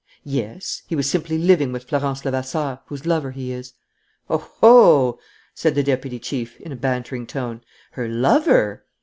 "Yes. He was simply living with Florence Levasseur, whose lover he is." "Oho!" said the deputy chief, in a bantering tone. "Her lover!"